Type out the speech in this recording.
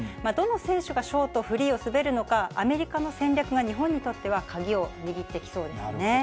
どの選手がショート、フリーを滑るのか、アメリカの戦略が日本にとっては鍵を握ってきそうですね。